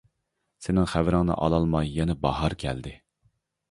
سېنىڭ خەۋىرىڭنى ئالالماي يەنە باھار كەلدى.